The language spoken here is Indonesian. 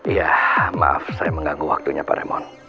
iya maaf saya mengganggu waktunya pak remond